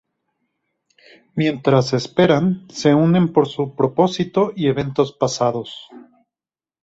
Mientras esperan, se unen por su propósito y eventos pasados.